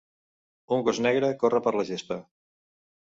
Un gos negre corre per la gespa.